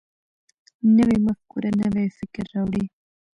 نوې مفکوره نوی فکر راوړي